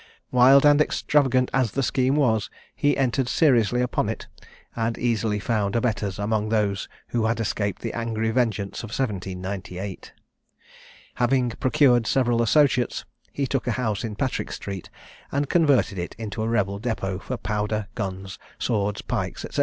Wild and extravagant as the scheme was, he entered seriously upon it, and easily found abettors among those who had escaped the angry vengeance of 1798. Having procured several associates, he took a house in Patrick street, and converted it into a rebel depôt for powder, guns, swords, pikes, &c.